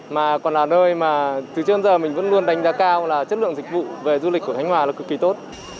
mà còn là nơi mà từ trước đến giờ mình vẫn luôn đánh giá cao là chất lượng dịch vụ về du lịch của khánh hòa là cực kỳ tốt